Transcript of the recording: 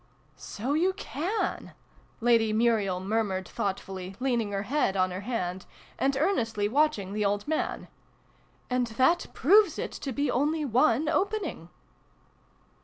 " So you can !" Lady Muriel murmured thoughtfully, leaning her head on her hand, VI l] MEIN HERR. 103 and earnestly watching the old man. " And that proves it to be only one opening